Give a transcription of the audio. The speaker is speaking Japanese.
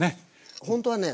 ほんとはね